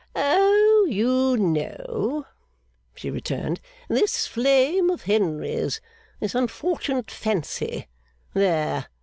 'Oh! You know!' she returned. 'This flame of Henry's. This unfortunate fancy. There!